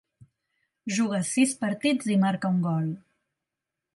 Juga sis partits i marca un gol.